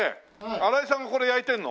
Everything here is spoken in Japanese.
荒井さんがこれ焼いてるの？